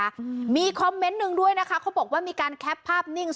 อืมมีคอมเมนต์หนึ่งด้วยนะคะเขาบอกว่ามีการแคปภาพนิ่ง